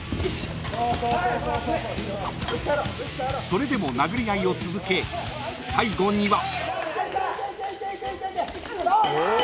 ［それでも殴り合いを続け最後には］